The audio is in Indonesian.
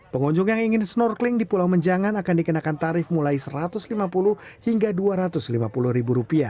pengunjung yang ingin snorkeling di pulau menjangan akan dikenakan tarif mulai rp satu ratus lima puluh hingga rp dua ratus lima puluh